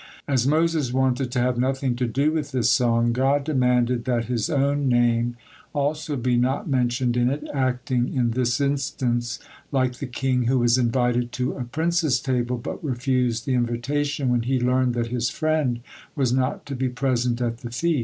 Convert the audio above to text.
As Moses wanted have nothing to do with this song, God demanded that His own name also be not mentioned in it, acting in this instances like the king who was invited to a prince's table, but refused the invitation when he learned that his friend was not to be present at the feast.